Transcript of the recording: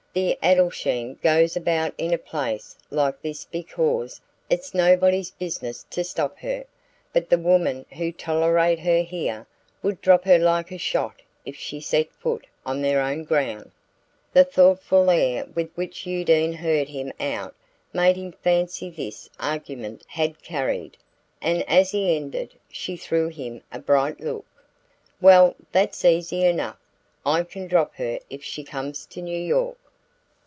The Adelschein goes about in a place like this because it's nobody's business to stop her; but the women who tolerate her here would drop her like a shot if she set foot on their own ground." The thoughtful air with which Undine heard him out made him fancy this argument had carried; and as be ended she threw him a bright look. "Well, that's easy enough: I can drop her if she comes to New York."